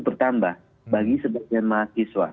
bertambah bagi sebagian mahasiswa